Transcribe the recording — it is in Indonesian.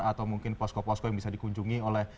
atau mungkin posko posko yang bisa dikunjungi oleh